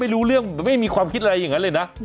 ไม่รู้เรื่องไม่มีความคิดอะไรอย่างนั้นเลยนะ